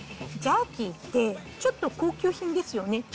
ジャーキーって、ちょっと高級品ですよね。